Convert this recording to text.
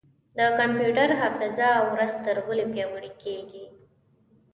د کمپیوټر حافظه ورځ تر بلې پیاوړې کېږي.